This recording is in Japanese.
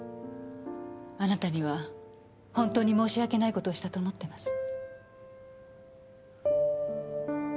あなたには本当に申し訳ない事をしたと思ってます。